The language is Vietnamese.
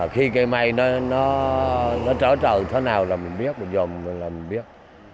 khi cây mai nó trở trời thế nào là mình biết bây giờ là mình biết